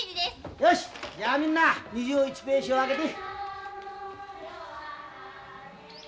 よしじゃあみんな２１ページを開けて。